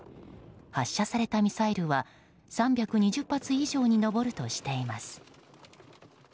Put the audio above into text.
発射されたミサイルは３２０発以上に上るとしています。